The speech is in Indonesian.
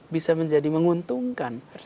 bisa menjadi menguntungkan